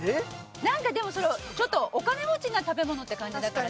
なんかでもそれちょっとお金持ちな食べ物って感じだから。